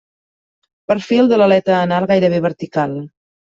Perfil de l'aleta anal gairebé vertical.